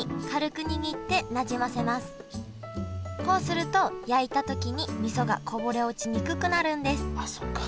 こうすると焼いた時にみそがこぼれ落ちにくくなるんですあっそっか。